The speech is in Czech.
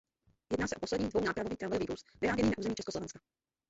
Jedná se o poslední dvounápravový tramvajový vůz vyráběný na území Československa.